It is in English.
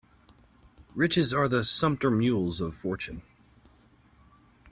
Riches are the sumpter mules of fortune.